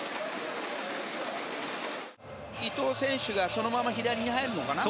伊藤選手がそのまま左に入るのかな。